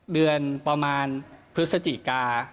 เดือนประมาณพฤศจิกา